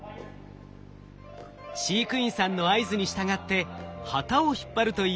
飼育員さんの合図に従って旗を引っ張るといいます。